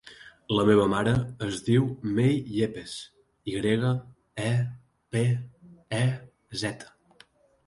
La meva mare es diu Mei Yepez: i grega, e, pe, e, zeta.